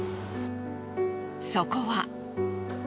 そこは。